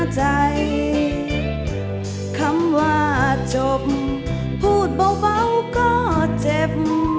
ใจคำว่าจบพูดเบาก็เจ็บ